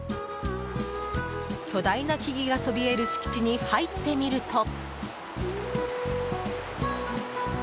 巨大な木々がそびえる敷地に入ってみると。